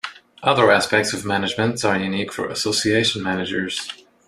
Other aspects of management are unique for association managers.